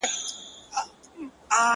بس که نیکه دا د جنګونو کیسې؛!